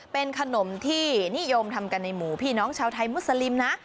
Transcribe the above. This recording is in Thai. เป็นขนมที่นิยมทำกันในหมู่พี่น้องชาวไทยมุสลิมนะ